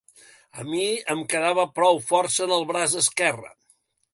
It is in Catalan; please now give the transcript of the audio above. A mi, em quedava prou força en el braç esquerre